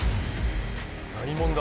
何者だ？